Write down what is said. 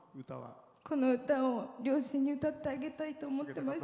この歌を両親に歌ってあげたいと思ってました。